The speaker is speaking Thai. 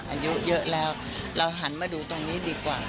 อายุเยอะแล้วเราหันมาดูตรงนี้ดีกว่า